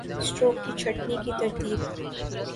stroke کی چھٹنی کی ترتیب